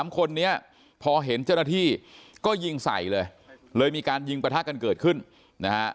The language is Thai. ๓คนนี้พอเห็นเจ้าหน้าที่ก็ยิงใส่เลยเลยมีการยิงประทะกันเกิดขึ้นนะฮะ